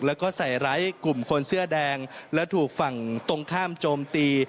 แล้วก็ใส่ไร้กลุ่มคนเสื้อแดงและถูกฝั่งตรงข้ามโจมตี